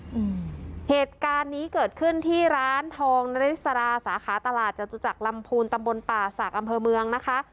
อืมเหตุการณ์นี้เกิดขึ้นที่ร้านทองริสราสาขาตลาดจตุจักรลำพูนตำบลป่าศักดิ์อำเภอเมืองนะคะ